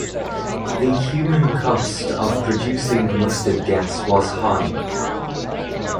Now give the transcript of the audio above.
The human cost of producing mustard gas was high.